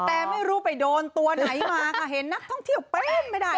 แต่ไม่รู้ไปโดนตัวไหนมาค่ะเห็นนักท่องเที่ยวเป็นไม่ได้